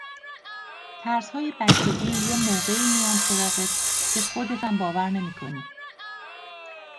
ترسهای بچگی یه موقعی میان سراغت که خودتم باور نمیکنی